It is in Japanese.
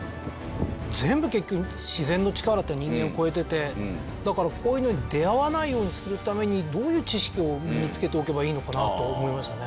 全部結局だからこういうのに出遭わないようにするためにどういう知識を身につけておけばいいのかなと思いましたね。